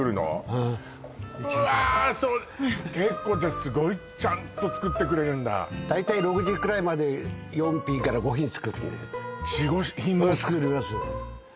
うんうわーそれ結構じゃあすごいちゃんと作ってくれるんだ大体６時くらいまで４品５品作るね４５品は作ります